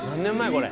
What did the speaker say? これ。